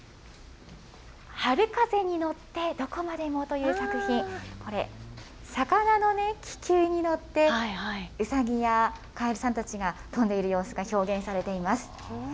春風に乗ってどこまでもという作品、これ、魚の気球に乗って、ウサギやカエルさんたちが飛んでいる様子が表現されています。